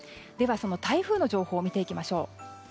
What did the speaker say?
その台風の情報を見ていきましょう。